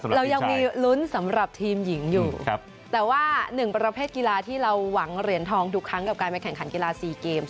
เรายังมีลุ้นสำหรับทีมหญิงอยู่แต่ว่า๑ประเภทกีฬาที่เราหวังเหรียญทองทุกครั้งกับการไปแข่งขันกีฬา๔เกม